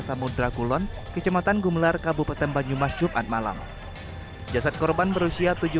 samudra kulon kecamatan gumelar kabupaten banyumas jumat malam jasad korban berusia